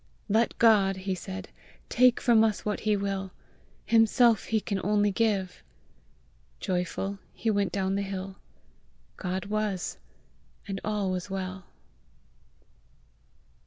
"Let God," he said, "take from us what he will: himself he can only give!" Joyful he went down the hill. God was, and all was well!